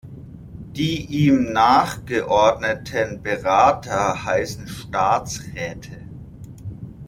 Die ihm nachgeordneten Berater heißen Staatsräte.